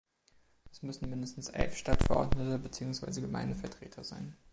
Es müssen mindestens elf Stadtverordnete beziehungsweise Gemeindevertreter sein.